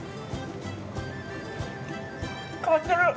変わってる！